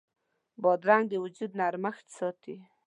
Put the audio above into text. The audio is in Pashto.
بادرنګ د وجود نرمښت ساتي.